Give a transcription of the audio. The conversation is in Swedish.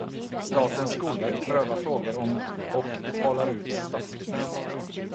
Statens skolverk prövar frågor om och betalar ut statsbidrag.